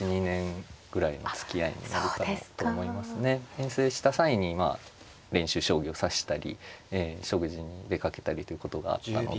遠征した際に練習将棋を指したり食事に出かけたりということがあったので。